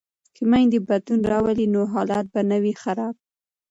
که میندې بدلون راولي نو حالت به نه وي خراب.